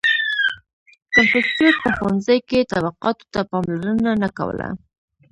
• کنفوسیوس په ښوونځي کې طبقاتو ته پاملرنه نه کوله.